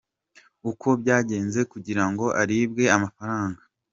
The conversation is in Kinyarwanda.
com uko byagenze kugira ngo aribwe amafaranga.